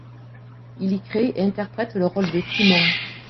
Il y crée et interprète le rôle de Timon.